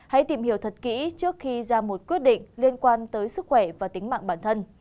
hãy tìm hiểu thật kỹ trước khi ra một quyết định liên quan tới sức khỏe và tính mạng bản thân